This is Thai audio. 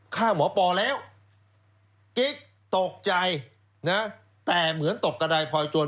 ฆ่าหมอปอแล้วกิ๊กตกใจนะแต่เหมือนตกกระดายพลอยโจร